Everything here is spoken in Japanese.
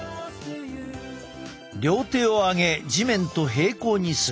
両手を上げ地面と平行にする。